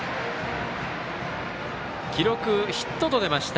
記録、ヒットと出ました。